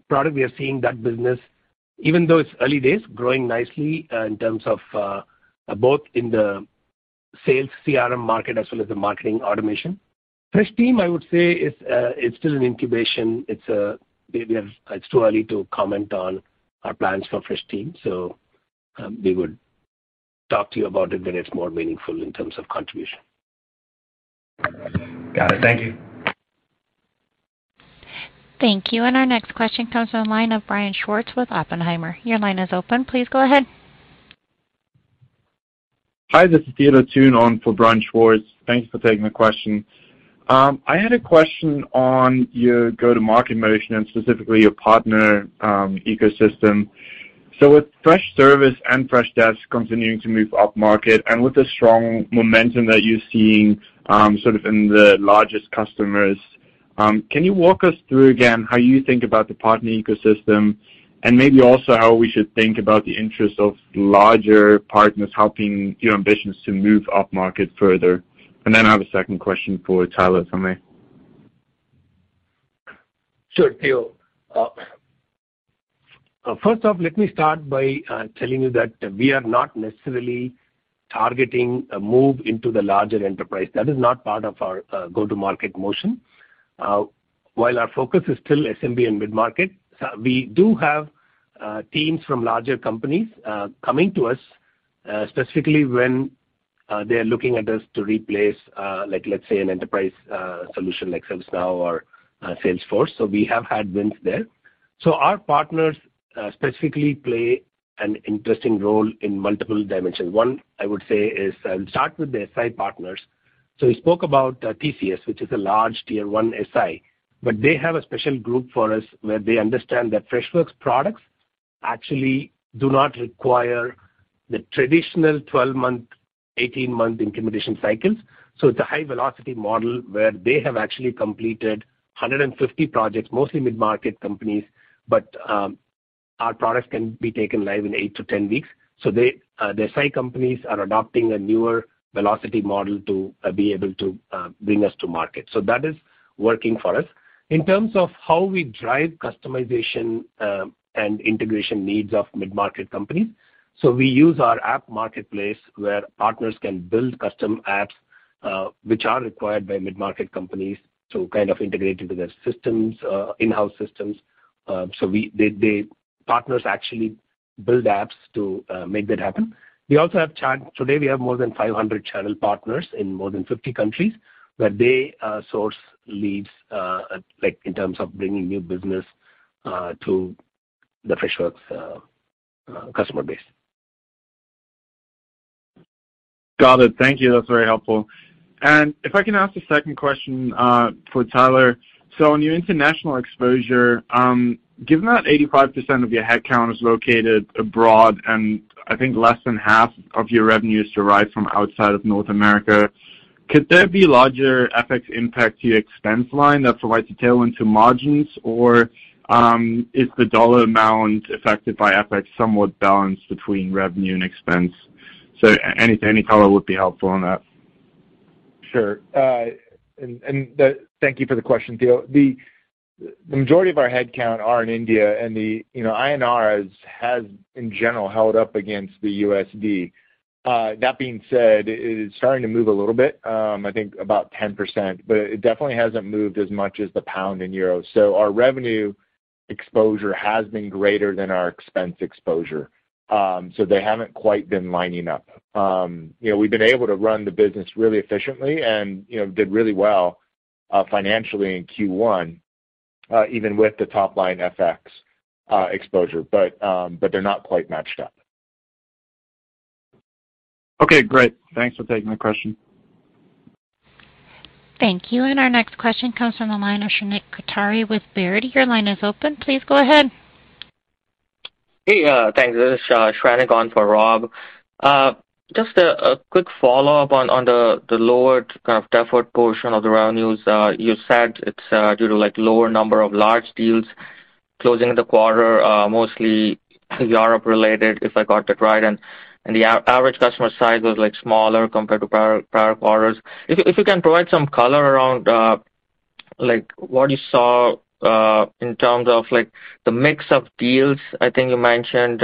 product, we are seeing that business, even though it's early days, growing nicely in terms of both in the sales CRM market as well as the marketing automation. Freshteam, I would say, is still in incubation. It's too early to comment on our plans for Freshteam, so we would talk to you about it when it's more meaningful in terms of contribution. Got it. Thank you. Thank you. Our next question comes from the line of Brian Schwartz with Oppenheimer. Your line is open. Please go ahead. Hi, this is Theodor Thun on for Brian Schwartz. Thanks for taking the question. I had a question on your go-to-market motion and specifically your partner ecosystem. With Freshservice and Freshdesk continuing to move upmarket, and with the strong momentum that you're seeing, sort of in the largest customers, can you walk us through again how you think about the partner ecosystem and maybe also how we should think about the interest of larger partners helping your ambitions to move upmarket further? Then I have a second question for Tyler from me. Sure, Theo. First off, let me start by telling you that we are not necessarily targeting a move into the larger enterprise. That is not part of our go-to-market motion. While our focus is still SMB and mid-market, we do have teams from larger companies coming to us, specifically when they are looking at us to replace, like, let's say, an enterprise solution like ServiceNow or Salesforce. We have had wins there. Our partners specifically play an interesting role in multiple dimensions. One I would say is. I'll start with the SI partners. We spoke about TCS, which is a large tier one SI, but they have a special group for us where they understand that Freshworks products actually do not require the traditional 12-month, 18-month implementation cycles. It's a high-velocity model where they have actually completed 150 projects, mostly mid-market companies, but our products can be taken live in eight to 10 weeks. They, the SI companies are adopting a newer velocity model to be able to bring us to market. That is working for us. In terms of how we drive customization and integration needs of mid-market companies, so we use our app marketplace, where partners can build custom apps which are required by mid-market companies to kind of integrate into their systems, in-house systems. Partners actually build apps to make that happen. Today, we have more than 500 channel partners in more than 50 countries, where they source leads like in terms of bringing new business to the Freshworks customer base. Got it. Thank you. That's very helpful. If I can ask a second question for Tyler. On your international exposure, given that 85% of your headcount is located abroad, and I think less than half of your revenues derive from outside of North America, could there be larger FX impact to your expense line that provides a tailwind to margins, or is the dollar amount affected by FX somewhat balanced between revenue and expense? Any color would be helpful on that. Sure. Thank you for the question, Thao. The majority of our headcount are in India, and the, you know, INR has, in general, held up against the USD. That being said, it is starting to move a little bit, I think about 10%, but it definitely hasn't moved as much as the pound and euro. Our revenue exposure has been greater than our expense exposure. They haven't quite been lining up. You know, we've been able to run the business really efficiently and, you know, did really well financially in Q1, even with the top-line FX exposure. They're not quite matched up. Okay, great. Thanks for taking my question. Thank you. Our next question comes from the line of Shrenik Kothari with Baird. Your line is open. Please go ahead. Hey, thanks. This is Shrenik on for Rob. Just a quick follow-up on the lower kind of deferred portion of the revenues. You said it's due to like lower number of large deals closing the quarter, mostly Europe related, if I got that right. The average customer size was like smaller compared to prior quarters. If you can provide some color around like what you saw in terms of like the mix of deals. I think you mentioned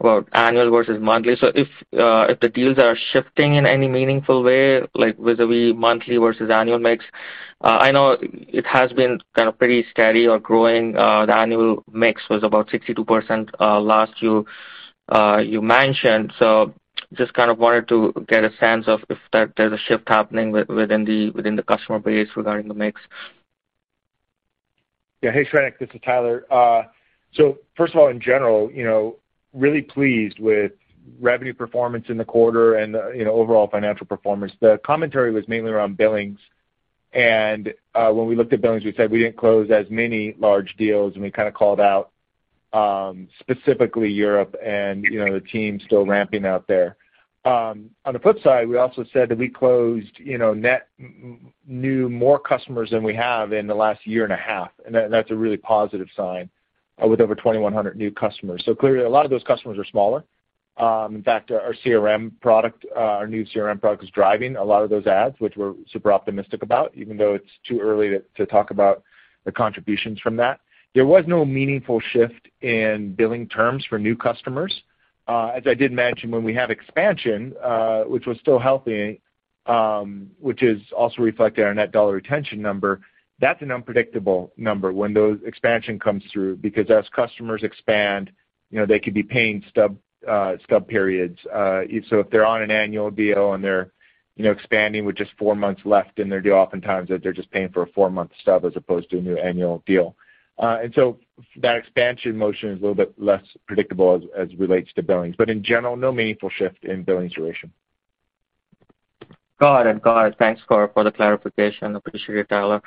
well, annual versus monthly. If the deals are shifting in any meaningful way, like vis-a-vis monthly versus annual mix. I know it has been kind of pretty steady or growing. The annual mix was about 62%, last you mentioned. Just kind of wanted to get a sense of if that there's a shift happening within the customer base regarding the mix. Yeah. Hey, Shrenik, this is Tyler. First of all, in general, you know, really pleased with revenue performance in the quarter and, you know, overall financial performance. The commentary was mainly around billings, and when we looked at billings, we said we didn't close as many large deals, and we kinda called out, specifically Europe and, you know, the team still ramping out there. On the flip side, we also said that we closed, you know, net new more customers than we have in the last year and a half, and that's a really positive sign, with over 2,100 new customers. Clearly a lot of those customers are smaller. In fact, our CRM product, our new CRM product is driving a lot of those adds, which we're super optimistic about, even though it's too early to talk about the contributions from that. There was no meaningful shift in billing terms for new customers. As I did mention, when we have expansion, which was still healthy, which is also reflected in our net dollar retention number, that's an unpredictable number when those expansion comes through because as customers expand, you know, they could be paying stub periods. If so if they're on an annual deal and they're, you know, expanding with just four months left in their deal, oftentimes they're just paying for a four-month stub as opposed to a new annual deal. That expansion motion is a little bit less predictable as relates to billings. In general, no meaningful shift in billings duration. Thanks for the clarification. Appreciate it, Tyler.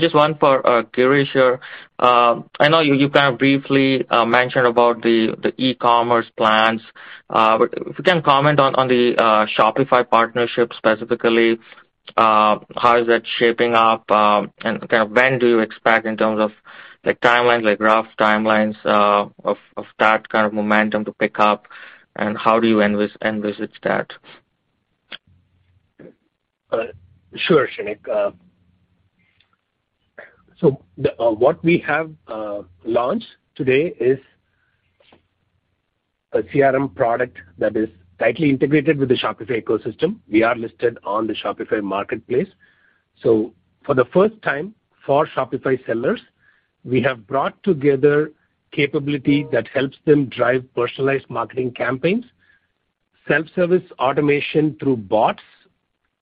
Just one for Girish here. I know you kind of briefly mentioned about the e-commerce plans. If you can comment on the Shopify partnership specifically, how is that shaping up? Kind of when do you expect in terms of like timelines, like rough timelines, of that kind of momentum to pick up, and how do you envisage that? Sure, Shrenik. What we have launched today is a CRM product that is tightly integrated with the Shopify ecosystem. We are listed on the Shopify marketplace. For the first time for Shopify sellers, we have brought together capability that helps them drive personalized marketing campaigns, self-service automation through bots,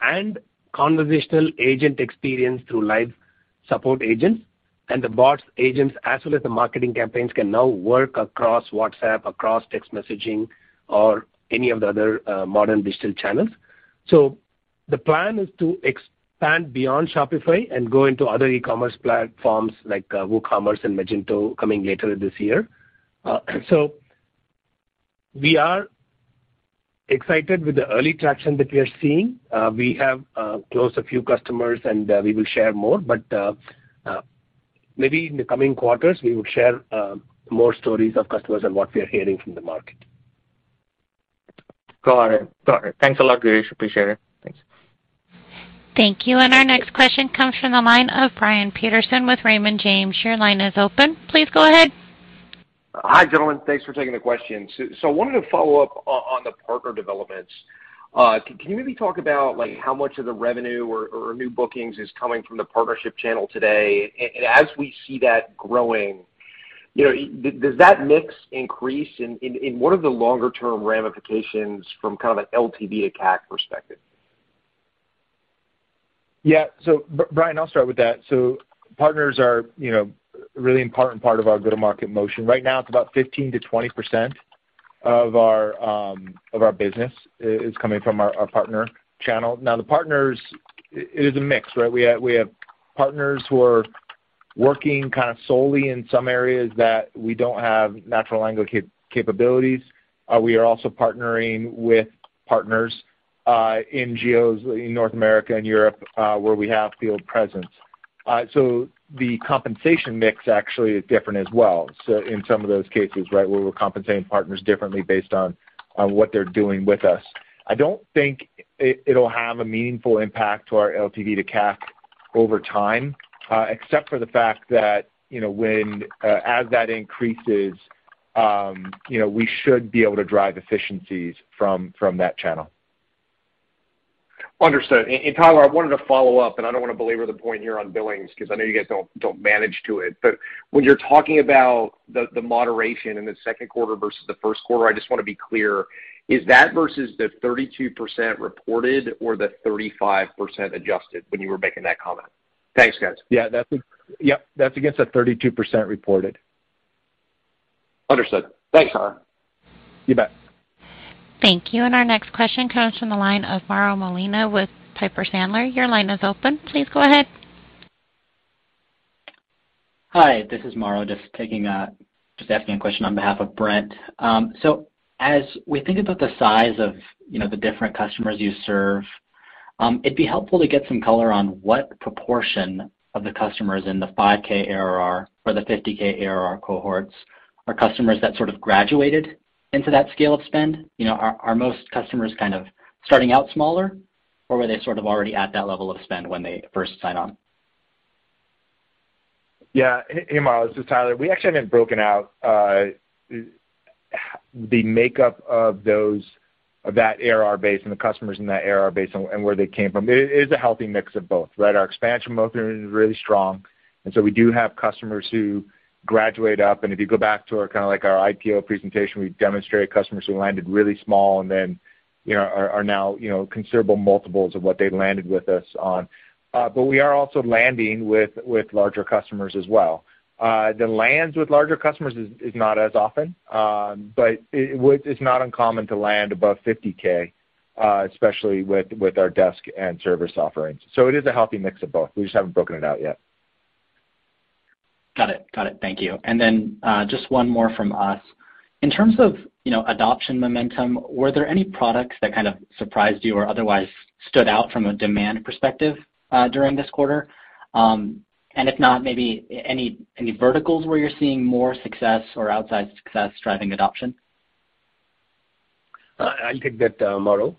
and conversational agent experience through live support agents. The bots agents, as well as the marketing campaigns, can now work across WhatsApp, across text messaging or any of the other modern digital channels. The plan is to expand beyond Shopify and go into other e-commerce platforms like WooCommerce and Magento coming later this year. We are excited with the early traction that we are seeing. We have closed a few customers, and we will share more. Maybe in the coming quarters we would share more stories of customers and what we are hearing from the market. Got it. Thanks a lot, Girish. Appreciate it. Thanks. Thank you. Our next question comes from the line of Brian Peterson with Raymond James. Your line is open. Please go ahead. Hi, gentlemen. Thanks for taking the question. I wanted to follow up on the partner developments. Can you maybe talk about like how much of the revenue or new bookings is coming from the partnership channel today? As we see that growing, you know, does that mix increase in what are the longer term ramifications from kind of an LTV to CAC perspective? Yeah. Brian, I'll start with that. Partners are, you know, really important part of our go-to-market motion. Right now it's about 15%-20% of our business is coming from our partner channel. Now the partners, it is a mix, right? We have partners who are working kind of solely in some areas that we don't have natural language capabilities. We are also partnering with partners in geos in North America and Europe where we have field presence. The compensation mix actually is different as well. In some of those cases, right, where we're compensating partners differently based on what they're doing with us. I don't think it'll have a meaningful impact to our LTV to CAC over time, except for the fact that, you know, when as that increases, you know, we should be able to drive efficiencies from that channel. Understood. Tyler, I wanted to follow up, and I don't wanna belabor the point here on billings because I know you guys don't manage to it. When you're talking about the moderation in the second quarter versus the first quarter, I just wanna be clear, is that versus the 32% reported or the 35% adjusted when you were making that comment? Thanks, guys. Yeah, that's. Yep, that's against the 32% reported. Understood. Thanks, Aaron. You bet. Thank you. Our next question comes from the line of Mauro Molina with Piper Sandler. Your line is open. Please go ahead. Hi, this is Mauro just asking a question on behalf of Brent. As we think about the size of, you know, the different customers you serve, it'd be helpful to get some color on what proportion of the customers in the 5K ARR or the 50K ARR cohorts are customers that sort of graduated into that scale of spend. You know, are most customers kind of starting out smaller, or were they sort of already at that level of spend when they first sign on? Hey, Mauro, this is Tyler. We actually haven't broken out the makeup of that ARR base and the customers in that ARR base and where they came from. It is a healthy mix of both, right? Our expansion motion is really strong, and so we do have customers who graduate up. If you go back to our kind of like our IPO presentation, we demonstrated customers who landed really small and then, you know, are now, you know, considerable multiples of what they landed with us on. We are also landing with larger customers as well. The lands with larger customers is not as often, but it's not uncommon to land above $50K, especially with our Freshdesk and Freshservice offerings. It is a healthy mix of both. We just haven't broken it out yet. Got it. Thank you. Just one more from us. In terms of, you know, adoption momentum, were there any products that kind of surprised you or otherwise stood out from a demand perspective, during this quarter? If not, maybe any verticals where you're seeing more success or outsized success driving adoption? I'll take that, Mauro.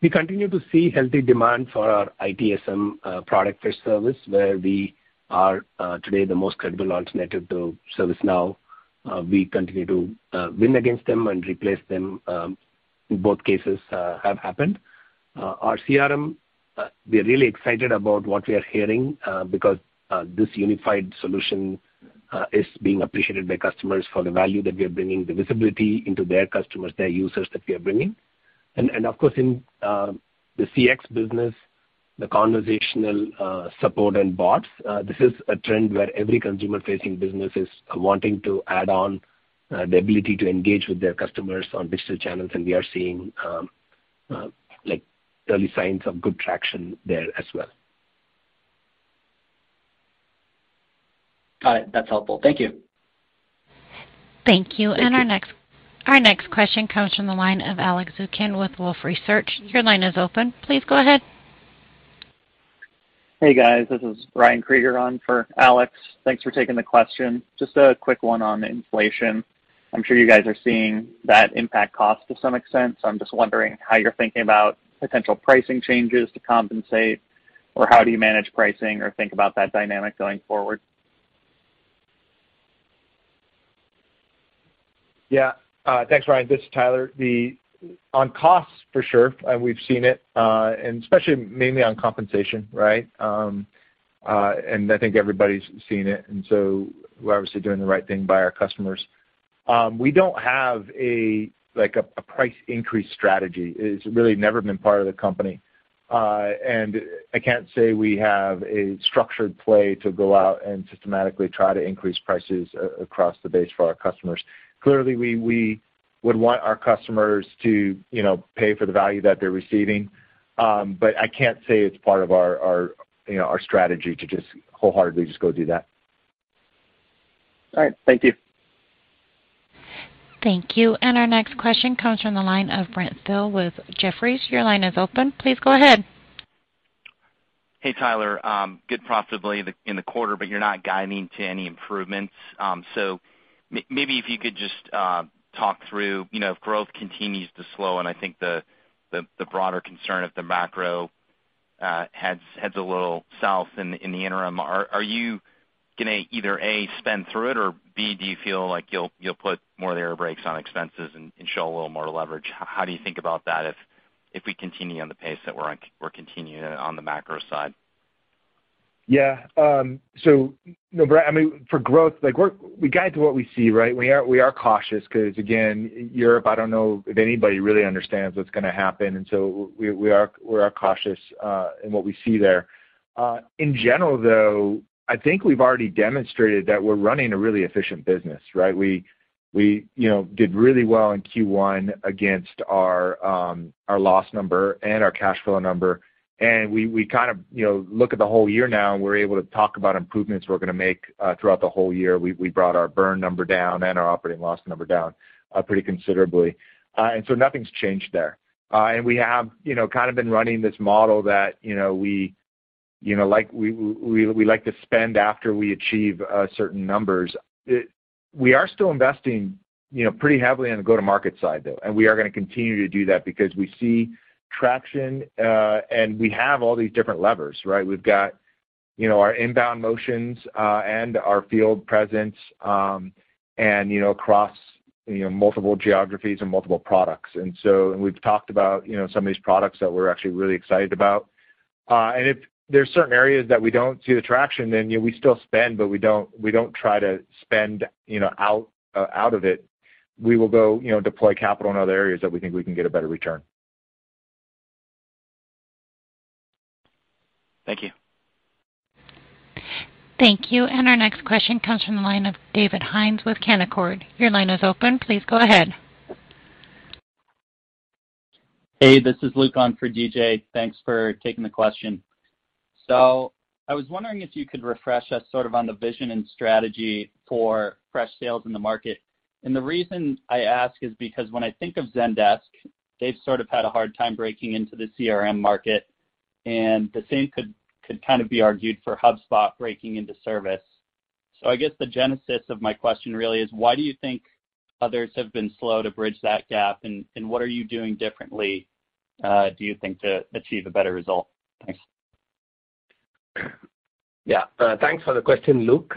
We continue to see healthy demand for our ITSM product service, where we are today the most credible alternative to ServiceNow. We continue to win against them and replace them, both cases have happened. Our CRM, we are really excited about what we are hearing, because this unified solution is being appreciated by customers for the value that we are bringing, the visibility into their customers, their users that we are bringing. Of course, in the CX business, the conversational support and bots, this is a trend where every consumer-facing business is wanting to add on the ability to engage with their customers on digital channels, and we are seeing like early signs of good traction there as well. Got it. That's helpful. Thank you. Thank you. Thank you. Our next question comes from the line of Alex Zukin with Wolfe Research. Your line is open. Please go ahead. Hey, guys. This is Ryan Krieger on for Alex. Thanks for taking the question. Just a quick one on inflation. I'm sure you guys are seeing that impact cost to some extent, so I'm just wondering how you're thinking about potential pricing changes to compensate, or how do you manage pricing or think about that dynamic going forward? Yeah. Thanks, Ryan. This is Tyler. On costs for sure, and we've seen it, and especially mainly on compensation, right? I think everybody's seen it, so we're obviously doing the right thing by our customers. We don't have a, like, a price increase strategy. It's really never been part of the company. I can't say we have a structured play to go out and systematically try to increase prices across the base for our customers. Clearly, we would want our customers to, you know, pay for the value that they're receiving, but I can't say it's part of our, you know, our strategy to just wholeheartedly just go do that. All right. Thank you. Thank you. Our next question comes from the line of Brent Thill with Jefferies. Your line is open. Please go ahead. Hey, Tyler. Good profitability in the quarter, but you're not guiding to any improvements. Maybe if you could just talk through, you know, if growth continues to slow, and I think the broader concern if the macro heads a little south in the interim. Are you gonna either, A, spend through it, or, B, do you feel like you'll put more of the air brakes on expenses and show a little more leverage? How do you think about that if we continue on the pace that we're on, we're continuing on the macro side? Yeah. No, Brent, I mean, for growth, like, we guide to what we see, right? We are cautious 'cause, again, Europe, I don't know if anybody really understands what's gonna happen, and so we are cautious in what we see there. In general, though, I think we've already demonstrated that we're running a really efficient business, right? We you know, did really well in Q1 against our our loss number and our cash flow number. We kind of you know, look at the whole year now, and we're able to talk about improvements we're gonna make throughout the whole year. We brought our burn number down and our operating loss number down pretty considerably. Nothing's changed there. We have, you know, kind of been running this model that, you know, we like to spend after we achieve certain numbers. We are still investing, you know, pretty heavily on the go-to-market side, though, and we are gonna continue to do that because we see traction, and we have all these different levers, right? We've got, you know, our inbound motions and our field presence, and, you know, across, you know, multiple geographies and multiple products. We've talked about, you know, some of these products that we're actually really excited about. If there's certain areas that we don't see the traction, then, you know, we still spend, but we don't try to spend, you know, out of it. We will go, you know, deploy capital in other areas that we think we can get a better return. Thank you. Thank you. Our next question comes from the line of David Hynes with Canaccord Genuity. Your line is open. Please go ahead. Hey, this is Luke on for DJ. Thanks for taking the question. I was wondering if you could refresh us sort of on the vision and strategy for Freshsales in the market. The reason I ask is because when I think of Zendesk, they've sort of had a hard time breaking into the CRM market, and the same could kind of be argued for HubSpot breaking into service. I guess the genesis of my question really is why do you think others have been slow to bridge that gap? What are you doing differently do you think to achieve a better result? Thanks. Yeah, thanks for the question, Luke.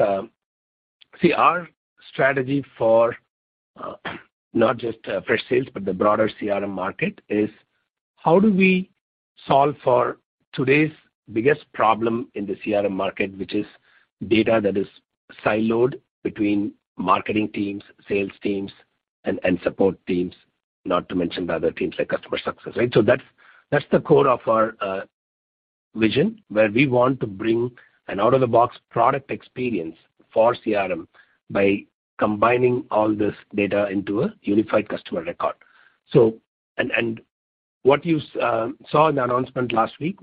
Our strategy for, not just, Freshsales, but the broader CRM market is how do we solve for today's biggest problem in the CRM market, which is data that is siloed between marketing teams, sales teams and support teams, not to mention by the teams like customer success, right? That's the core of our vision, where we want to bring an out-of-the-box product experience for CRM by combining all this data into a unified customer record. What you saw in the announcement last week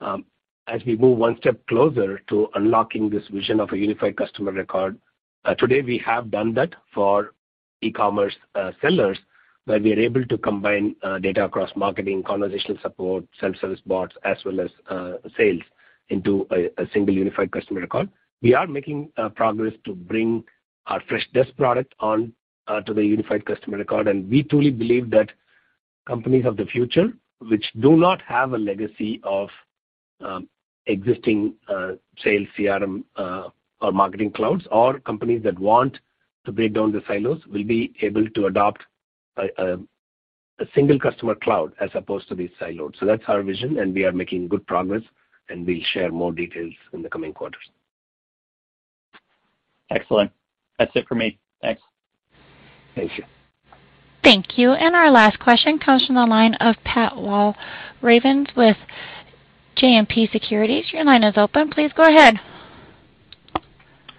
was, as we move one step closer to unlocking this vision of a Unified Customer Record, today we have done that for e-commerce sellers, where we are able to combine data across marketing, conversational support, self-service bots, as well as sales into a single Unified Customer Record. We are making progress to bring our Freshdesk product on to the Unified Customer Record. We truly believe that companies of the future which do not have a legacy of existing sales CRM or marketing clouds or companies that want to break down the silos will be able to adopt a single customer cloud as opposed to these silos. That's our vision, and we are making good progress, and we'll share more details in the coming quarters. Excellent. That's it for me. Thanks. Thank you. Thank you. Our last question comes from the line of Pat Walravens with JMP Securities. Your line is open. Please go ahead.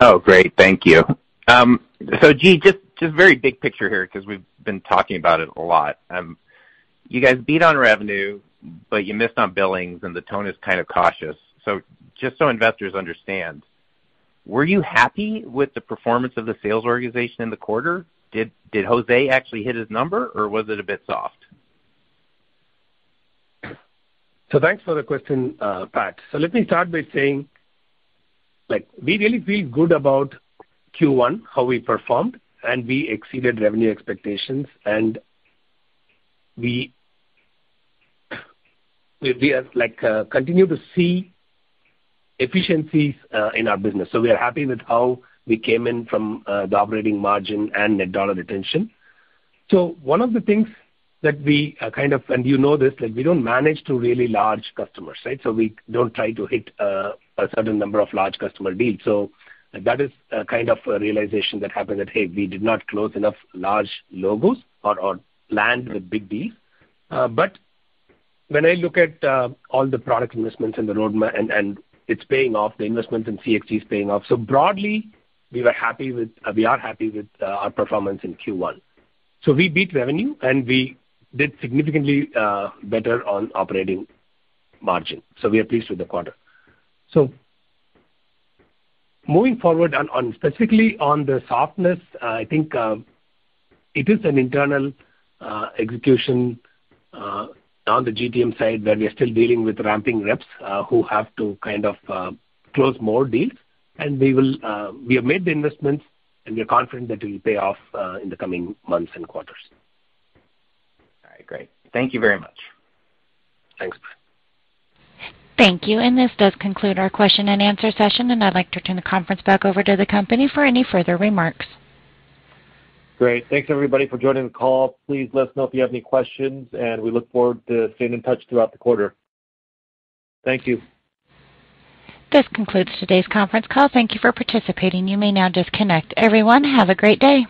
Oh, great. Thank you. So G, just very big picture here 'cause we've been talking about it a lot. You guys beat on revenue, but you missed on billings and the tone is kind of cautious. Just so investors understand, were you happy with the performance of the sales organization in the quarter? Did Jose actually hit his number, or was it a bit soft? Thanks for the question, Pat. Let me start by saying, like, we really feel good about Q1, how we performed, and we exceeded revenue expectations. We are like continue to see efficiencies in our business. We are happy with how we came in from the operating margin and net dollar retention. One of the things that we kind of and you know this, like we don't manage to really large customers, right? We don't try to hit a certain number of large customer deals. That is kind of a realization that happened that, hey, we did not close enough large logos or land the big deals. When I look at all the product investments in the roadmap and it's paying off, the investments in CX are paying off. Broadly, we are happy with our performance in Q1. We beat revenue, and we did significantly better on operating margin. We are pleased with the quarter. Moving forward, specifically on the softness, I think it is an internal execution on the GTM side where we are still dealing with ramping reps who have to kind of close more deals. We have made the investments, and we are confident that it'll pay off in the coming months and quarters. All right, great. Thank you very much. Thanks, Pat. Thank you. This does conclude our question and answer session, and I'd like to turn the conference back over to the company for any further remarks. Great. Thanks everybody for joining the call. Please let us know if you have any questions, and we look forward to staying in touch throughout the quarter. Thank you. This concludes today's conference call. Thank you for participating. You may now disconnect. Everyone, have a great day.